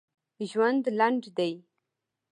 ژوند لنډ دي!